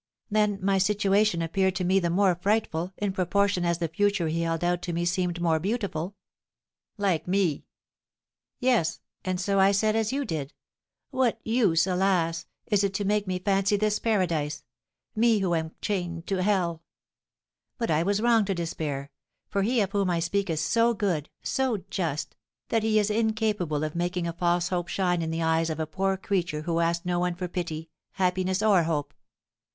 "Then my situation appeared to me the more frightful, in proportion as the future he held out to me seemed more beautiful." "Like me?" "Yes, and so I said as you did, What use, alas! is it to make me fancy this paradise, me, who am chained to hell? But I was wrong to despair; for he of whom I speak is so good, so just, that he is incapable of making a false hope shine in the eyes of a poor creature who asked no one for pity, happiness, or hope."